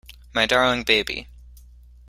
My darling baby.